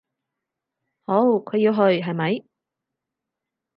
好，佢要去，係咪？